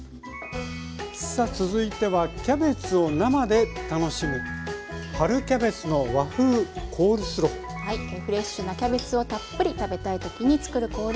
さあ続いてはキャベツを生で楽しむフレッシュなキャベツをたっぷり食べたい時に作るコールスロー。